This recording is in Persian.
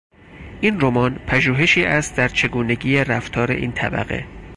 این رمان، پژوهشی است در چگونگی رفتار این طبقه.